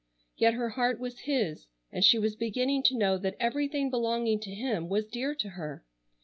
Yet her heart was his and she was beginning to know that everything belonging to him was dear to her.